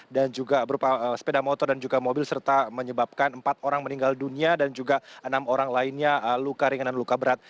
dan juga berupa sepeda motor dan juga mobil serta menyebabkan empat orang meninggal dunia dan juga enam orang lainnya luka ringan dan luka berat